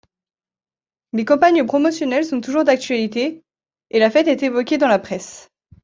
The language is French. Les campagnes promotionnelles sont toujours d'actualité et la fête est évoquée dans la presse.